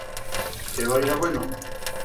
Que vaiga bueno!